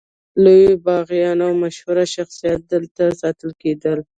لوی باغیان او مشهور شخصیتونه دلته ساتل کېدل.